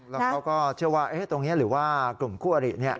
แล้วเขาก็เชื่อว่าตรงนี้หรือว่ากลุ่มคู่อริ